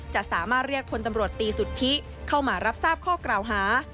จะสามารถเรียกพลตำรวจตีสุทธิเข้ามารับทราบข้อกล่าวหา